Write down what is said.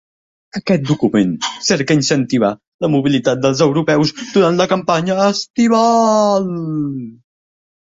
Aquest document cerca incentivar la mobilitat dels europeus durant la campanya estival.